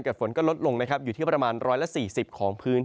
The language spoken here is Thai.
เกิดฝนก็ลดลงนะครับอยู่ที่ประมาณร้อยละสี่สิบของพื้น